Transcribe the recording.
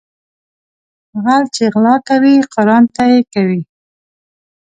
غل چې غلا کوي قرآن ته يې کوي